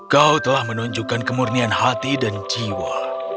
kau telah menunjukkan kemurnian hati dan jiwa